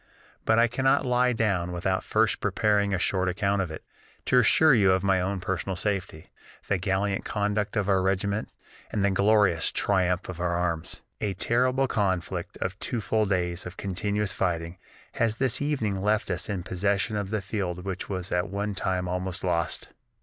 But I cannot lie down without first preparing a short account of it, to assure you of my own personal safety, the gallant conduct of our regiment, and the glorious triumph of our arms. A terrible conflict of two full days of continuous fighting has this evening left us in possession of the field which was at one time almost lost.